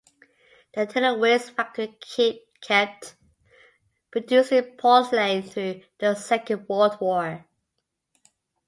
The Tillowitz factory kept producing porcelain through the Second World War.